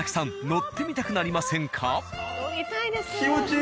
乗ってみたくなりませんか？